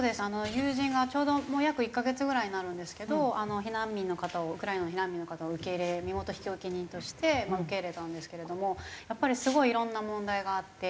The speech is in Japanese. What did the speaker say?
友人がちょうど約１カ月ぐらいになるんですけど避難民の方をウクライナの避難民の方を受け入れ身元引受人として受け入れたんですけれどもやっぱりすごいいろんな問題があって。